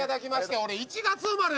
俺１月生まれや！